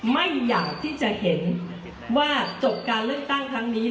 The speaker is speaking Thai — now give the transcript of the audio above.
ไม่อยากที่จะเห็นว่าจบการเลือกตั้งครั้งนี้